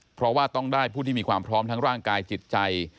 เพราะว่าต้องได้ผู้ที่มีความพร้อมทั้งร่างกายจิตใจ